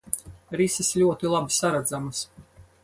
Rises ļoti labi saredzamas.